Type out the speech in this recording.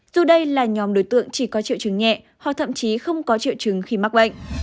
dù đây là nhóm đối tượng chỉ có triệu chứng nhẹ hoặc thậm chí không có triệu chứng khi mắc bệnh